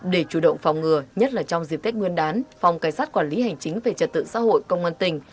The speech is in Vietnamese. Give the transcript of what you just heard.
để chủ động phòng ngừa nhất là trong dịp tết nguyên đán phòng cảnh sát quản lý hành chính về trật tự xã hội công an tỉnh